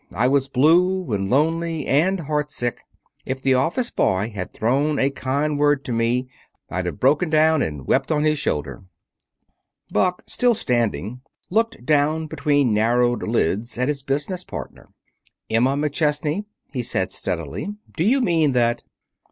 I was blue and lonely and heart sick. If the office boy had thrown a kind word to me I'd have broken down and wept on his shoulder." Buck, still standing, looked down between narrowed lids at his business partner. "Emma McChesney," he said steadily, "do you mean that?"